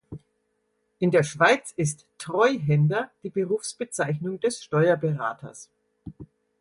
In der Schweiz ist "Treuhänder" die Berufsbezeichnung des Steuerberaters.